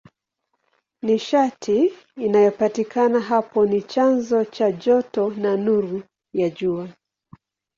Nishati inayopatikana hapo ni chanzo cha joto na nuru ya Jua.